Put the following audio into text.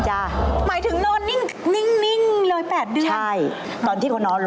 หมายถึงโหนนนิ่งเลย๘เดือน